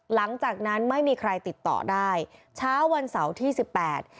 หลังจากนั้นไม่มีใครติดต่อได้เช้าวันเสาร์ที่สิบแปด